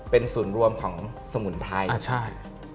เป็นศูนย์รวมของสมุนไพรใช่